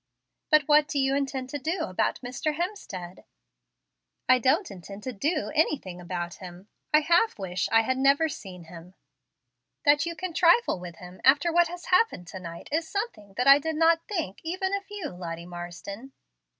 "But what do you intend to do about Mr. Hemstead." "I don't intend to do anything about him. I half wish I had never seen him." "That you can trifle with him after what has happened to night is something that I did not think, even of you, Lottie Marsden."